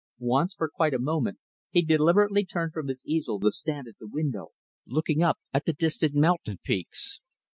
Once, for quite a moment, he deliberately turned from his easel to stand at the window, looking up at the distant mountain peaks.